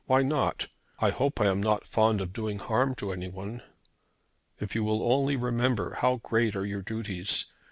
Why not? I hope I am not fond of doing harm to anyone." "If you will only remember how great are your duties.